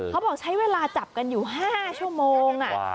เขาบอกใช้เวลาจับกันอยู่๕ชั่วโมง